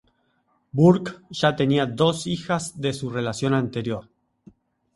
Burke ya tenía dos hijas de su relación anterior.